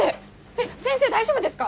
えっ先生大丈夫ですか？